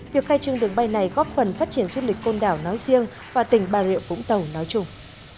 việc khai trương đường bay này góp phần phát triển du lịch côn đảo nói riêng và tỉnh bà rịa vũng tàu nói chung